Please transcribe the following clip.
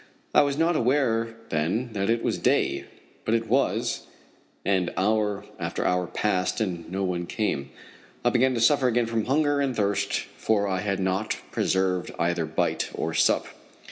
I was not aware then that it was day, but it was, and hour after hour passed and no one came. I began to suffer again from hunger and thirst, for I had not preserved either bite or sup.